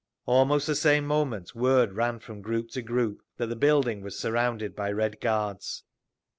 Almost the same moment word ran from group to group that the building was surrounded by Red Guards.